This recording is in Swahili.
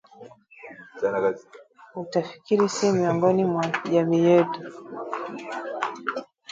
Utafikiri si miongoni mwa jamii yetu?